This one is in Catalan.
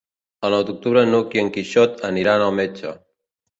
El nou d'octubre n'Hug i en Quixot aniran al metge.